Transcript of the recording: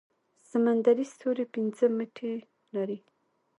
سمندري ستوری پنځه مټې لري